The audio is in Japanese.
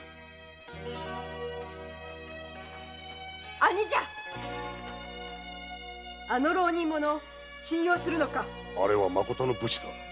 兄者あの浪人者を信用するのかあれはまことの武士だ。